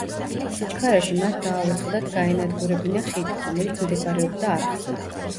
სიჩქარეში მათ დაავიწყდათ გაენადგურებინა ხიდი, რომელიც მდებარეობდა არხზე.